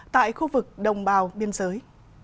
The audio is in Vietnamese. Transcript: tại khu vực đồng bào biên giới